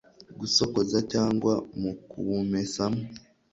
gusokoza cyangwa mu kuwumesamo